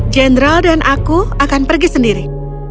jenderal dan aku akan pergi sendiri